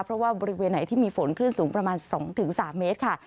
เพราะว่าบริเวณไหนที่มีฝนคลื่นสูงประมาณ๒๓เมตรค่ะ